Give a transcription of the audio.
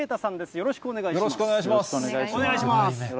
よろしくお願いします。